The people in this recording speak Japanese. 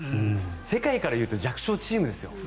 世界からいうと弱小チームですよ。